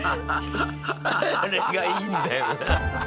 これがいいんだよな。